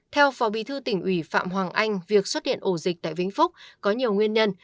theo phó bí thư tỉnh ủy phạm hoàng anh việc xuất hiện ổ dịch tại vĩnh phúc có nhiều nguyên nhân